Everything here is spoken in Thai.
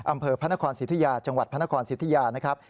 อำเภอพระนครสิทธิยาจังหวัดพระนครสิทธิยานะครับ